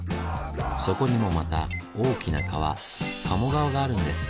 そこにもまた大きな川鴨川があるんです。